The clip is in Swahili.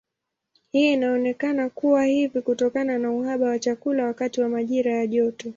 Hii inaonekana kuwa hivi kutokana na uhaba wa chakula wakati wa majira ya joto.